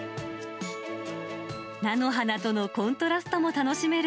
菜の花とのコントラストも楽しめる